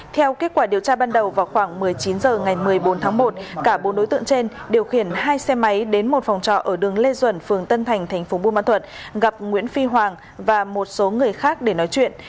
theo kết quả điều tra ban đầu vào khoảng một mươi chín h ngày một mươi bốn tháng một cả bốn đối tượng trên điều khiển hai xe máy đến một phòng trọ ở đường lê duẩn phường tân thành thành phố buôn ma thuật gặp nguyễn phi hoàng và một số người khác để nói chuyện